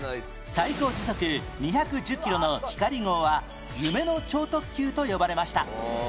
最高時速２１０キロのひかり号は夢の超特急と呼ばれました